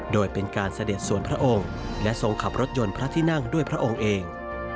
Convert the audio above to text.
โดยเป็นการเสด็จส่วนพระองค์และทรงขับรถยนต์พระที่นั่งด้วยพระองค์เอง